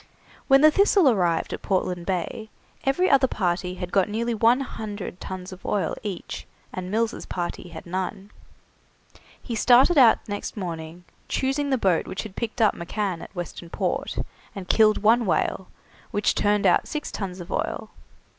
When the 'Thistle' arrived at Portland Bay every other party had got nearly one hundred tuns of oil each, and Mills' party had none. He started out next morning, choosing the boat which had picked up McCann at Western Port, and killed one whale, which turned out six tuns of oil.